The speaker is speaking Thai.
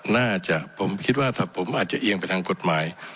น่าจะผมคิดว่าถ้าผมอาจจะเอียงไปทางกฎหมาย